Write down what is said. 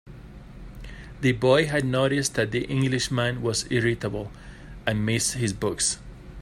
The boy had noticed that the Englishman was irritable, and missed his books.